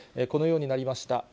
このようになりました。